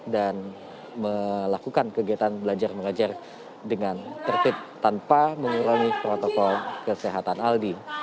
dan melakukan kegiatan belajar mengajar dengan tertib tanpa mengurangi protokol kesehatan aldi